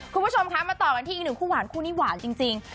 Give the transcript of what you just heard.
คุณผู้ชมคะมาต่อกันที่อีกหนึ่งคู่หวานคู่นี้หวานจริง